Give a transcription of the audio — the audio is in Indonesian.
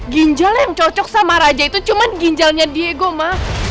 ginjal yang cocok sama raja itu cuma ginjalnya diego ma